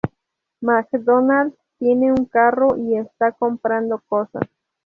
Macdonald tiene un carro, y está comprando cosas.